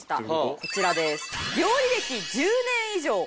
こちらです。